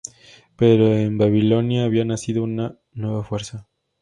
Pero en Babilonia había nacido una nueva fuerza.